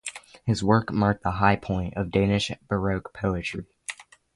His work marked the high point of Danish baroque poetry.